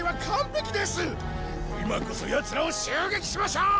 今こそヤツらを襲撃しましょう！